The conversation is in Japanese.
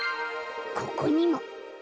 ここにも。